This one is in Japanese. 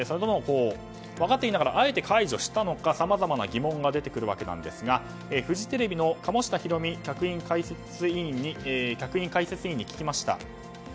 分かっていながらあえて解除したのかさまざまな疑問が出てくるわけなんですがフジテレビの鴨下ひろみ客員解説委員に聞きました。